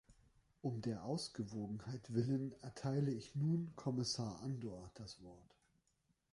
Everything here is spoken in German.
Um der Ausgewogenheit willen erteile ich nun Kommissar Andor das Wort.